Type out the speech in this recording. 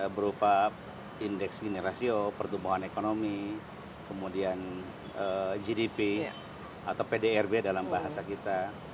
berupa indeks gini rasio pertumbuhan ekonomi kemudian gdp atau pdrb dalam bahasa kita